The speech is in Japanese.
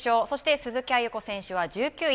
鈴木亜由子選手は１９位。